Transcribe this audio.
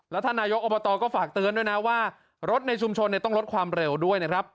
แล้วท่านนายกอบตก็ฝากเตือนด้วยนะว่ารถในชุมชนต้องลดความเร็วด้วยนะครับ